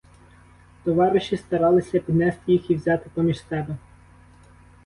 Товариші старалися піднести їх і взяти поміж себе.